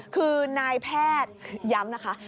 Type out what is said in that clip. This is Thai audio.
คือนายแพทย้ำนะคะ